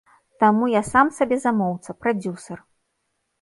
Таму я сам сабе замоўца, прадзюсар.